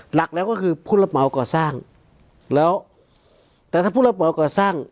หลักแล้วก็คือผู้รับเหมาก่อสร้างแล้วแต่ถ้าผู้รับเหมาก่อสร้าง